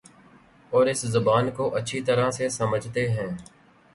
اور اس زبان کو اچھی طرح سے سمجھتے ہیں